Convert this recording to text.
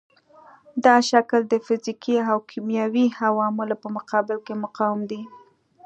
دا شکل د فزیکي او کیمیاوي عواملو په مقابل کې مقاوم دی.